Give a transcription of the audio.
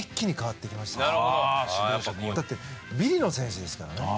だってビリの選手ですからね。